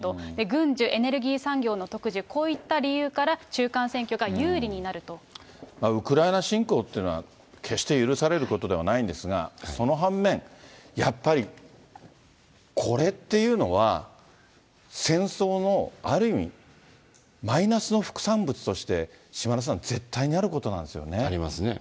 軍需、エネルギー産業の特需、こういった理由から中間選挙が有利になるウクライナ侵攻っていうのは、決して許されることではないんですが、その反面、やっぱりこれっていうのは、戦争のある意味マイナスの副産物として、島田さん、ありますね。